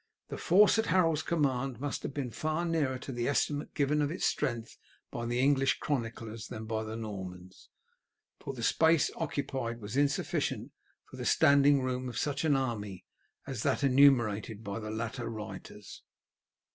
The force at Harold's command must have been far nearer to the estimate given of its strength by the English chroniclers than by the Normans, for the space occupied was insufficient for the standing room of such an army as that enumerated by the latter writers.